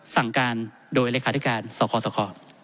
สั่งการโดยเลขาธิการสค